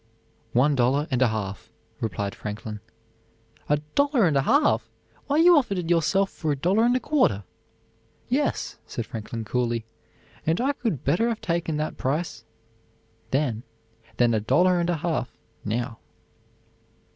"One dollar and a half," replied Franklin. "A dollar and a half! Why, you offered it yourself for a dollar and a quarter." "Yes," said Franklin coolly, "and I could better have taken that price then than a dollar and a half now."